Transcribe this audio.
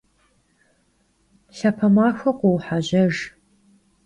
Lhape maxue khuuhejejj!